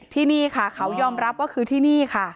ที่นี่ค่ะเขายอมรับว่าคือที่นี่ค่ะ